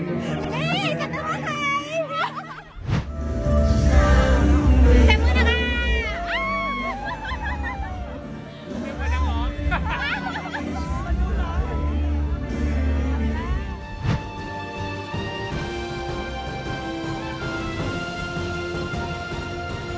ไม่อยู่ช่วงที่หัวใจมีอะไรอยู่